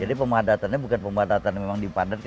jadi pemandatannya bukan pemandatannya memang dipandat